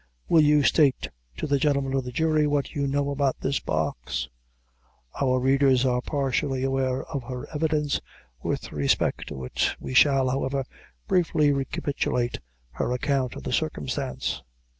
"Will you state to the gentlemen of the jury what you know about this box?" Our readers are partially aware of her evidence with respect to it. We shall, however, briefly recapitulate her account of the circumstance.